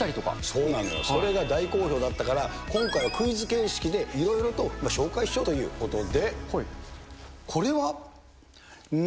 そうなのよ、それが大好評だったから、今回はクイズ形式でいろいろと紹介しようということで、これは？